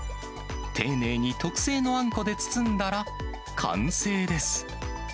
丁寧に特製のあんこで包んだら、完成です。